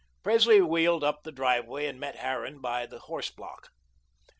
Presley wheeled up the driveway and met Harran by the horse block.